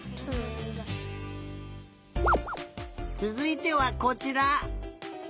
つづいてはこちら。